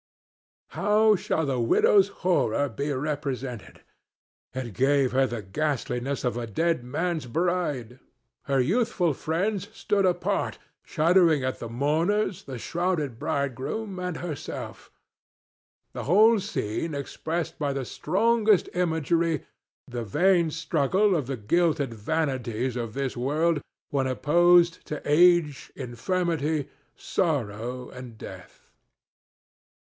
How shall the widow's horror be represented? It gave her the ghastliness of a dead man's bride. Her youthful friends stood apart, shuddering at the mourners, the shrouded bridegroom and herself; the whole scene expressed by the strongest imagery the vain struggle of the gilded vanities of this world when opposed to age, infirmity, sorrow and death.